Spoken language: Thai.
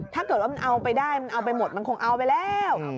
ถ้าเกิดว่ามันเอาไปได้มันเอาไปหมดมันคงเอาไปแล้ว